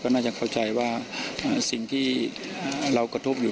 น่าจะเข้าใจว่าสิ่งที่เรากระทบอยู่